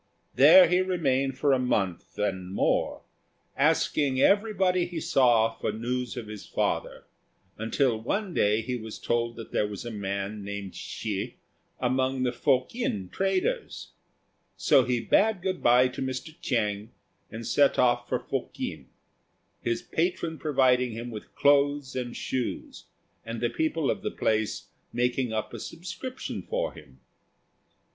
There he remained for a month and more, asking everybody he saw for news of his father, until one day he was told that there was a man named Hsi among the Fokien traders. So he bade good by to Mr. Chiang, and set off for Fokien, his patron providing him with clothes and shoes, and the people of the place making up a subscription for him.